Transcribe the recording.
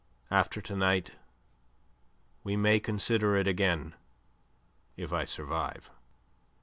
After to night we may consider it again, if I survive."